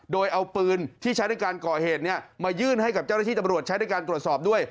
โดยเอาปืนที่ใช้ในการก่อเหตุมายื่นให้กับเจ้าหน้าที่ตำรวจใช้ในการตรวจสอบด้วย